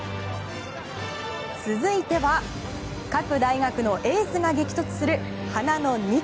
続いては各大学のエースが激突する華の２区。